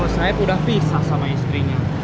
bos saeb udah pisah sama istrinya